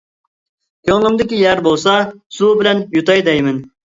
كۆڭلۈمدىكى يار بولسا، سۇ بىلەن يۇتاي دەيمەن.